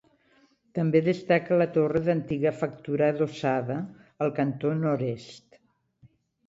També destaca la torre d'antiga factura adossada al cantó nord-est.